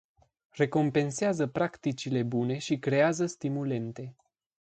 Recompensează practicile bune și creează stimulente.